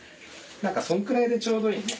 何かそんくらいでちょうどいいね。